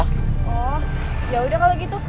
oh ya udah kalau gitu